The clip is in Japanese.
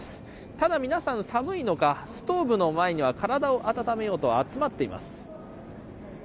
ただ、皆さん寒いのかストーブの前に体を温めようと集まっています。